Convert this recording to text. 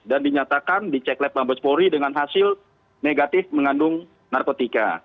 dan dinyatakan di cek lab mabes polri dengan hasil negatif mengandung narkotika